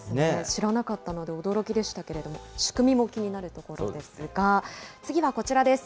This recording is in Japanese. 知らなかったので驚きでしたけれども、仕組みも気になるところですが、次はこちらです。